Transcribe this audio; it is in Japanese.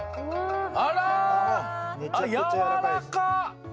あら！やわらかっ！